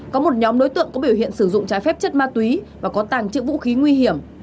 có một nhóm đối tượng có biểu hiện sử dụng trái phép chất ma túy và có tàng trữ vũ khí nguy hiểm